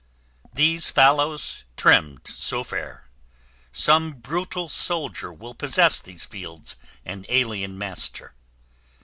These fallows, trimmed so fair, Some brutal soldier will possess these fields An alien master.